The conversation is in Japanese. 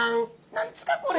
何ですかこれ？